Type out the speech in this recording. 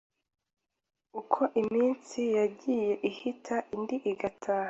Uko iminsi yagiye ihita indi igataha,